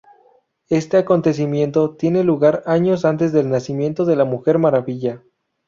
Este acontecimiento tiene lugar años antes del nacimiento de la Mujer Maravilla.